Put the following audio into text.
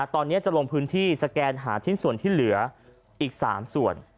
ตอนนี้จะลงพื้นที่สแกนหาชิ้นส่วนที่เหลืออีก๓ส่วน